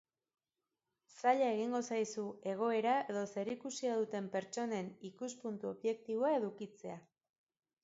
Zaila egingo zaizu egoera edo zerikusia duten pertsonen ikuspuntu objektiboa edukitzea.